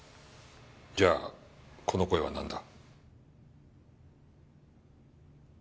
じゃあこの声はなんだ？